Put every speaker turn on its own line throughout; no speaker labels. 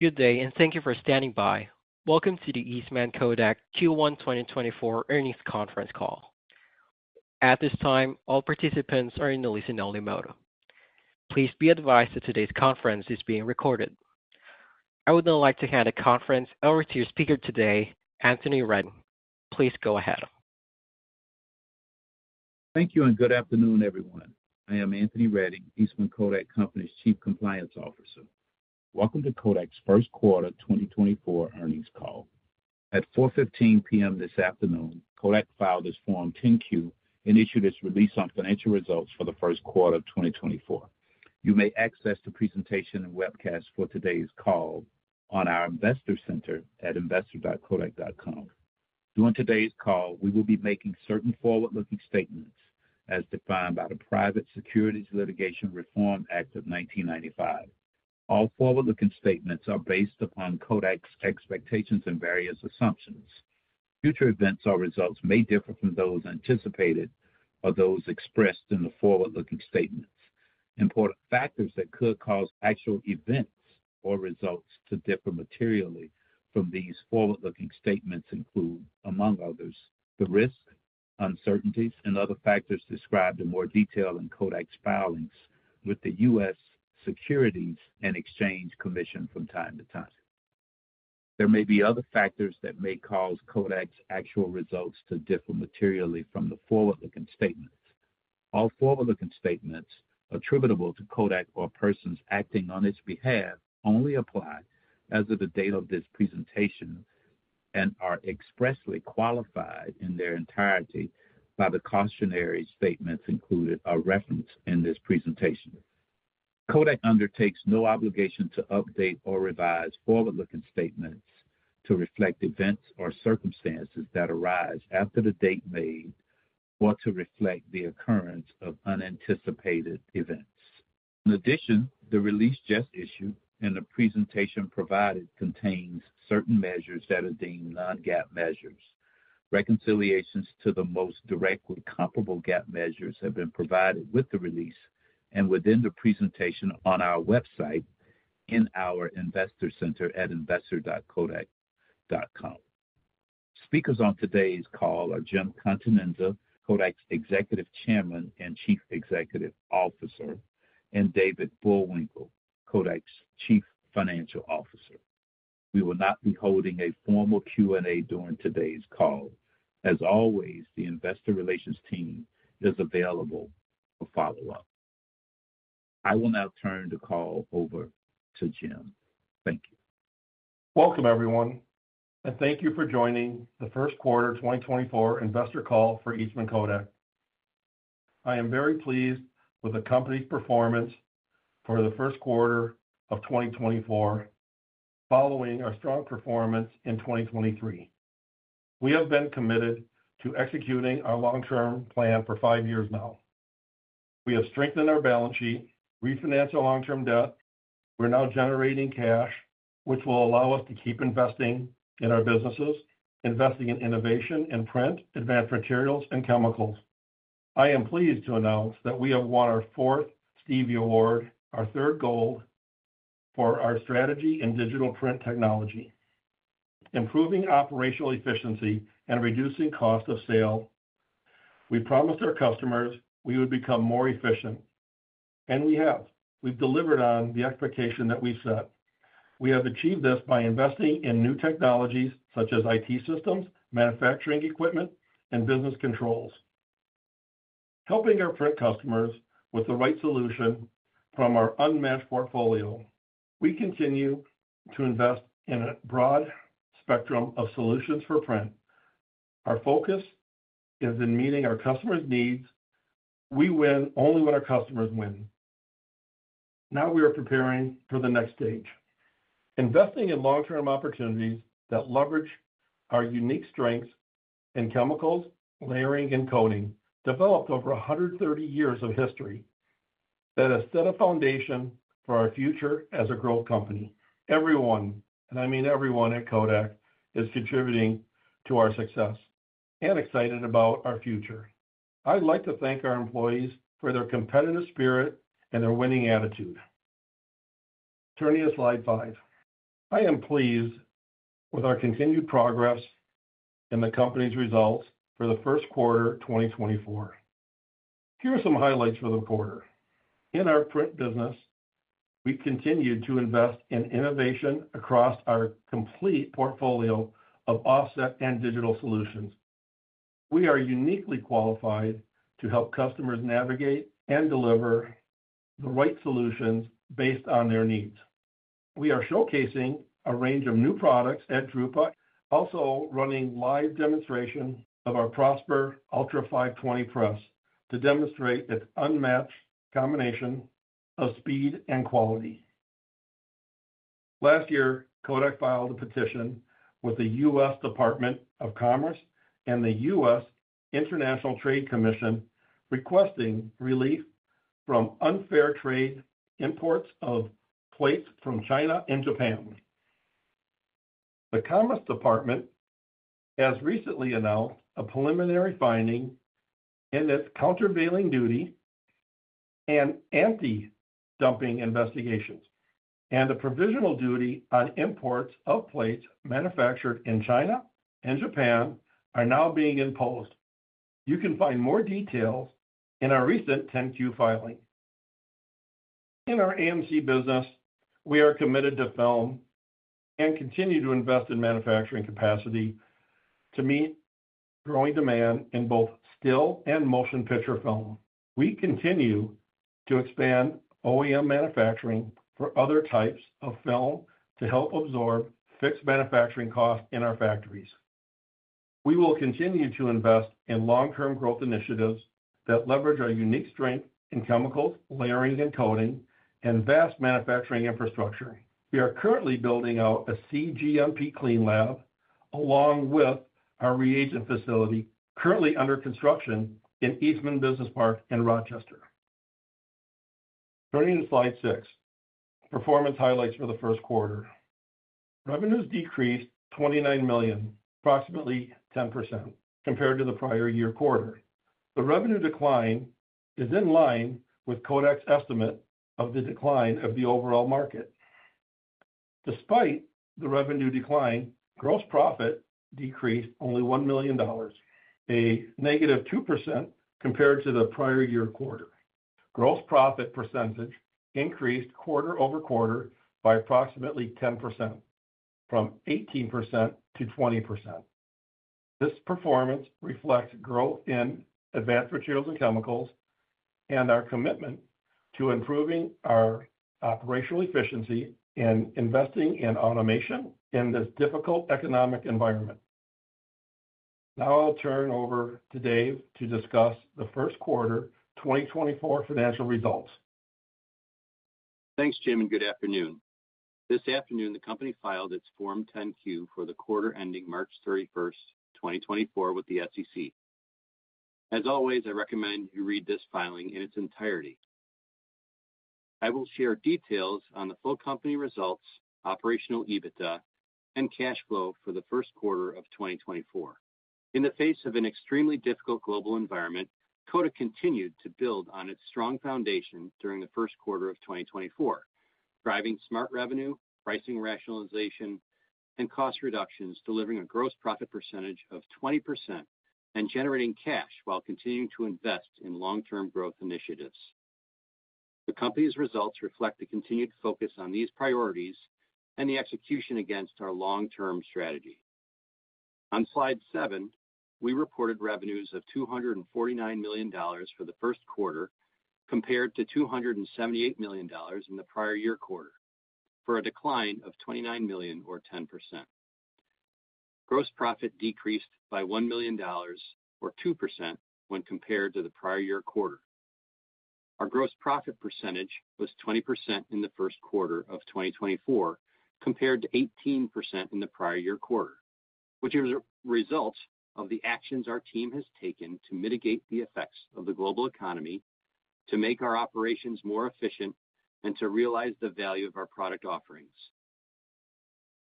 Good day, and thank you for standing by. Welcome to the Eastman Kodak Q1 2024 earnings conference call. At this time, all participants are in the listen-only mode. Please be advised that today's conference is being recorded. I would now like to hand the conference over to your speaker today, Anthony Redding. Please go ahead.
Thank you, and good afternoon, everyone. I am Anthony Redding, Eastman Kodak Company's Chief Compliance Officer. Welcome to Kodak's first quarter 2024 earnings call. At 4:15 P.M. this afternoon, Kodak filed its Form 10-Q and issued its release on financial results for the first quarter of 2024. You may access the presentation and webcast for today's call on our investor center at investor.kodak.com. During today's call, we will be making certain forward-looking statements as defined by the Private Securities Litigation Reform Act of 1995. All forward-looking statements are based upon Kodak's expectations and various assumptions. Future events or results may differ from those anticipated or those expressed in the forward-looking statements. Important factors that could cause actual events or results to differ materially from these forward-looking statements include, among others, the risk, uncertainties, and other factors described in more detail in Kodak's filings with the U.S. Securities and Exchange Commission from time to time. There may be other factors that may cause Kodak's actual results to differ materially from the forward-looking statements. All forward-looking statements attributable to Kodak or persons acting on its behalf only apply as of the date of this presentation and are expressly qualified in their entirety by the cautionary statements included or referenced in this presentation. Kodak undertakes no obligation to update or revise forward-looking statements to reflect events or circumstances that arise after the date made or to reflect the occurrence of unanticipated events. In addition, the release just issued and the presentation provided contains certain measures that are deemed non-GAAP measures. Reconciliations to the most directly comparable GAAP measures have been provided with the release and within the presentation on our website in our investor center at investor.kodak.com. Speakers on today's call are Jim Continenza, Kodak's Executive Chairman and Chief Executive Officer, and David Bullwinkle, Kodak's Chief Financial Officer. We will not be holding a formal Q&A during today's call. As always, the investor relations team is available for follow-up. I will now turn the call over to Jim. Thank you.
Welcome, everyone, and thank you for joining the first quarter 2024 investor call for Eastman Kodak. I am very pleased with the company's performance for the first quarter of 2024 following our strong performance in 2023. We have been committed to executing our long-term plan for five years now. We have strengthened our balance sheet, refinanced our long-term debt. We're now generating cash, which will allow us to keep investing in our businesses, investing in innovation in print, advanced materials, and chemicals. I am pleased to announce that we have won our fourth Stevie Award, our third gold for our strategy in digital print technology. Improving operational efficiency and reducing cost of sale. We promised our customers we would become more efficient, and we have. We've delivered on the expectation that we set. We have achieved this by investing in new technologies such as IT systems, manufacturing equipment, and business controls. Helping our print customers with the right solution from our unmatched portfolio. We continue to invest in a broad spectrum of solutions for print. Our focus is in meeting our customers' needs. We win only when our customers win. Now we are preparing for the next stage: investing in long-term opportunities that leverage our unique strengths in chemicals, layering, and coating developed over 130 years of history. That has set a foundation for our future as a growth company. Everyone, and I mean everyone at Kodak, is contributing to our success and excited about our future. I'd like to thank our employees for their competitive spirit and their winning attitude. Turning to slide five. I am pleased with our continued progress in the company's results for the first quarter 2024. Here are some highlights for the quarter. In our print business, we've continued to invest in innovation across our complete portfolio of offset and digital solutions. We are uniquely qualified to help customers navigate and deliver the right solutions based on their needs. We are showcasing a range of new products at drupa, also running live demonstrations of our Prosper Ultra 520 press to demonstrate its unmatched combination of speed and quality. Last year, Kodak filed a petition with the U.S. Department of Commerce and the U.S. International Trade Commission requesting relief from unfair trade imports of plates from China and Japan. The Commerce Department has recently announced a preliminary finding in its countervailing duty and anti-dumping investigations, and a provisional duty on imports of plates manufactured in China and Japan are now being imposed. You can find more details in our recent 10-Q filing. In our AMC business, we are committed to film and continue to invest in manufacturing capacity to meet growing demand in both still and motion picture film. We continue to expand OEM manufacturing for other types of film to help absorb fixed manufacturing costs in our factories. We will continue to invest in long-term growth initiatives that leverage our unique strength in chemicals, layering, and coating, and vast manufacturing infrastructure. We are currently building out a CGMP Clean Lab along with our reagent facility currently under construction in Eastman Business Park in Rochester. Turning to Slide 6. Performance highlights for the first quarter. Revenues decreased $29 million, approximately 10%, compared to the prior year quarter. The revenue decline is in line with Kodak's estimate of the decline of the overall market. Despite the revenue decline, gross profit decreased only $1 million, a -2% compared to the prior year quarter. Gross profit percentage increased quarter-over-quarter by approximately 10%, from 18%-20%. This performance reflects growth in advanced materials and chemicals and our commitment to improving our operational efficiency in investing in automation in this difficult economic environment. Now I'll turn over to Dave to discuss the first quarter 2024 financial results.
Thanks, Jim, and good afternoon. This afternoon, the company filed its Form 10-Q for the quarter ending March 31st, 2024, with the SEC. As always, I recommend you read this filing in its entirety. I will share details on the full company results, operational EBITDA, and cash flow for the first quarter of 2024. In the face of an extremely difficult global environment, Kodak continued to build on its strong foundation during the first quarter of 2024, driving smart revenue, pricing rationalization, and cost reductions, delivering a gross profit percentage of 20% and generating cash while continuing to invest in long-term growth initiatives. The company's results reflect the continued focus on these priorities and the execution against our long-term strategy. On slide 7, we reported revenues of $249 million for the first quarter compared to $278 million in the prior year quarter, for a decline of $29 million or 10%. Gross profit decreased by $1 million or 2% when compared to the prior year quarter. Our gross profit percentage was 20% in the first quarter of 2024 compared to 18% in the prior year quarter, which is a result of the actions our team has taken to mitigate the effects of the global economy, to make our operations more efficient, and to realize the value of our product offerings.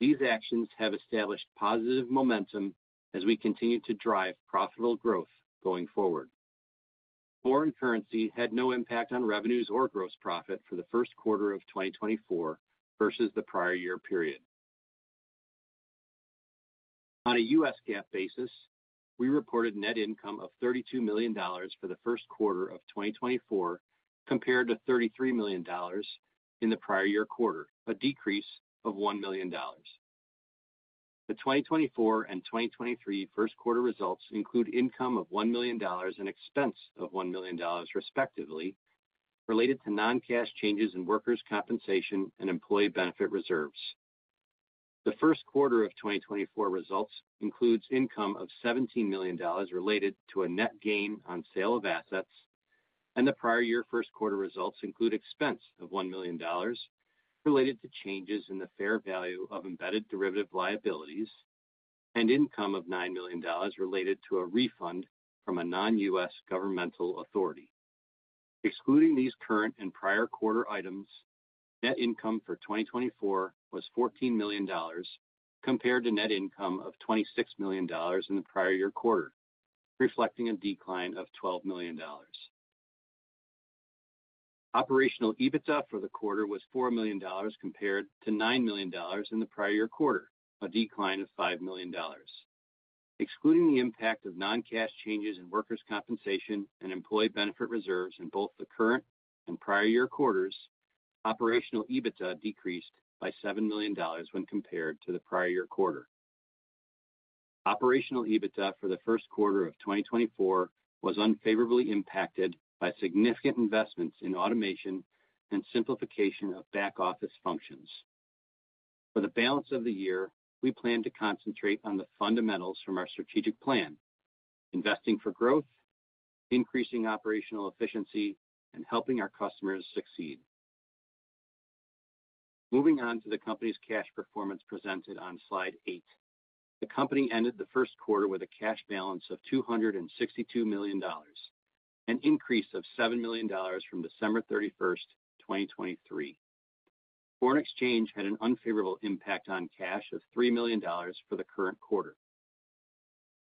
These actions have established positive momentum as we continue to drive profitable growth going forward. Foreign currency had no impact on revenues or gross profit for the first quarter of 2024 versus the prior year period. On a U.S. GAAP basis, we reported net income of $32 million for the first quarter of 2024 compared to $33 million in the prior year quarter, a decrease of $1 million. The 2024 and 2023 first quarter results include income of $1 million and expense of $1 million, respectively, related to non-cash changes in workers' compensation and employee benefit reserves. The first quarter of 2024 results includes income of $17 million related to a net gain on sale of assets, and the prior year first quarter results include expense of $1 million related to changes in the fair value of embedded derivative liabilities, and income of $9 million related to a refund from a non-U.S. governmental authority. Excluding these current and prior quarter items, net income for 2024 was $14 million compared to net income of $26 million in the prior year quarter, reflecting a decline of $12 million. Operational EBITDA for the quarter was $4 million compared to $9 million in the prior year quarter, a decline of $5 million. Excluding the impact of non-cash changes in workers' compensation and employee benefit reserves in both the current and prior year quarters, Operational EBITDA decreased by $7 million when compared to the prior year quarter. Operational EBITDA for the first quarter of 2024 was unfavorably impacted by significant investments in automation and simplification of back-office functions. For the balance of the year, we plan to concentrate on the fundamentals from our strategic plan: investing for growth, increasing operational efficiency, and helping our customers succeed. Moving on to the company's cash performance presented on slide eight. The company ended the first quarter with a cash balance of $262 million, an increase of $7 million from December 31st, 2023. Foreign exchange had an unfavorable impact on cash of $3 million for the current quarter.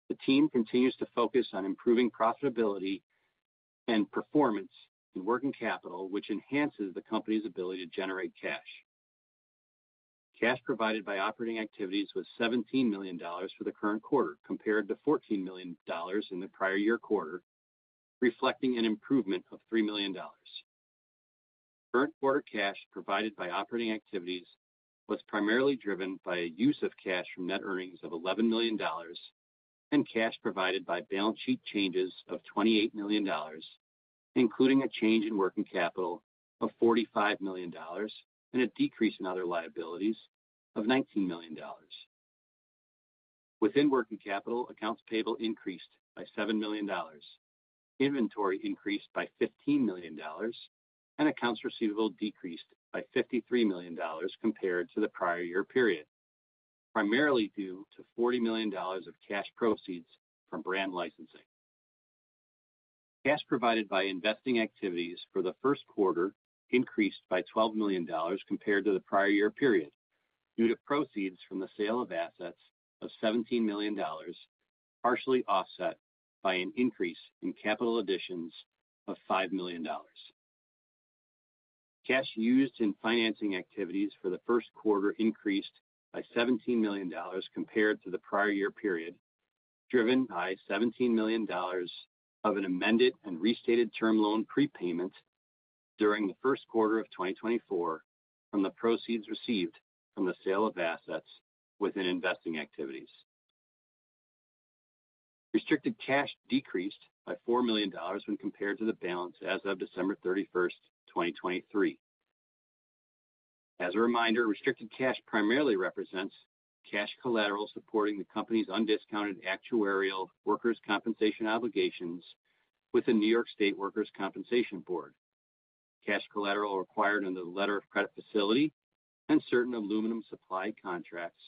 The team continues to focus on improving profitability and performance in working capital, which enhances the company's ability to generate cash. Cash provided by operating activities was $17 million for the current quarter compared to $14 million in the prior year quarter, reflecting an improvement of $3 million. Current quarter cash provided by operating activities was primarily driven by a use of cash from net earnings of $11 million and cash provided by balance sheet changes of $28 million, including a change in working capital of $45 million and a decrease in other liabilities of $19 million. Within working capital, accounts payable increased by $7 million, inventory increased by $15 million, and accounts receivable decreased by $53 million compared to the prior year period, primarily due to $40 million of cash proceeds from brand licensing. Cash provided by investing activities for the first quarter increased by $12 million compared to the prior year period due to proceeds from the sale of assets of $17 million, partially offset by an increase in capital additions of $5 million. Cash used in financing activities for the first quarter increased by $17 million compared to the prior year period, driven by $17 million of an amended and restated term loan prepayment during the first quarter of 2024 from the proceeds received from the sale of assets within investing activities. Restricted cash decreased by $4 million when compared to the balance as of December 31st, 2023. As a reminder, restricted cash primarily represents cash collateral supporting the company's undiscounted actuarial workers' compensation obligations with the New York State Workers' Compensation Board. Cash collateral required under the Letter of Credit Facility and certain aluminum supply contracts,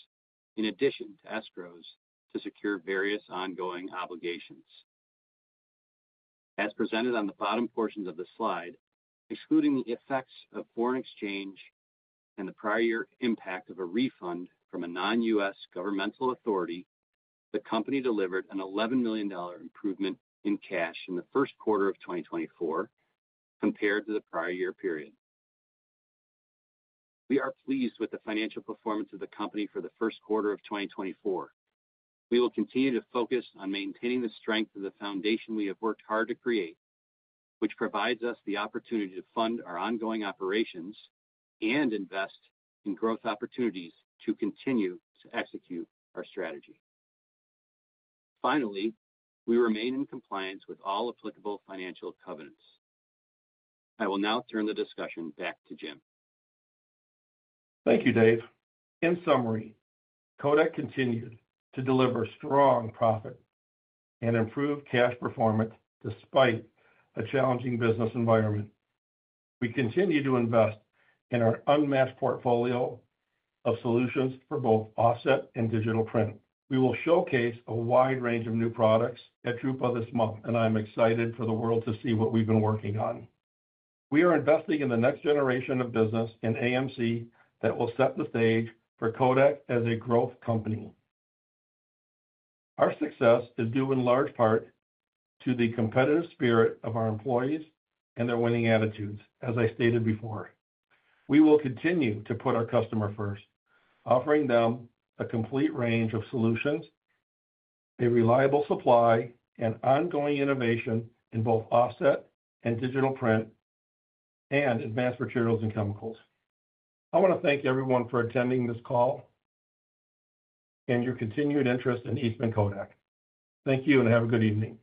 in addition to escrows, to secure various ongoing obligations. As presented on the bottom portions of the slide, excluding the effects of foreign exchange and the prior year impact of a refund from a non-U.S. governmental authority, the company delivered an $11 million improvement in cash in the first quarter of 2024 compared to the prior year period. We are pleased with the financial performance of the company for the first quarter of 2024. We will continue to focus on maintaining the strength of the foundation we have worked hard to create, which provides us the opportunity to fund our ongoing operations and invest in growth opportunities to continue to execute our strategy. Finally, we remain in compliance with all applicable financial covenants. I will now turn the discussion back to Jim.
Thank you, Dave. In summary, Kodak continued to deliver strong profit and improved cash performance despite a challenging business environment. We continue to invest in our unmatched portfolio of solutions for both offset and digital print. We will showcase a wide range of new products at drupa this month, and I'm excited for the world to see what we've been working on. We are investing in the next generation of business in AMC that will set the stage for Kodak as a growth company. Our success is due in large part to the competitive spirit of our employees and their winning attitudes, as I stated before. We will continue to put our customer first, offering them a complete range of solutions, a reliable supply, and ongoing innovation in both offset and digital print and advanced materials and chemicals. I want to thank everyone for attending this call and your continued interest in Eastman Kodak. Thank you, and have a good evening.